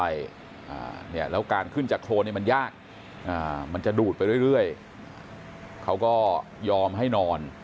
แล้วการขึ้นจากโครนเนี่ยมันยากมันจะดูดไปเรื่อยเขาก็ยอมให้นอน